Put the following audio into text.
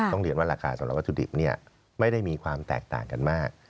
เรียนว่าราคาสำหรับวัตถุดิบไม่ได้มีความแตกต่างกันมาก